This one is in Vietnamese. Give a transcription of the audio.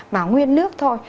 mà nguyên nước thôi